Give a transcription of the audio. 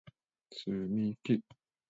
つみき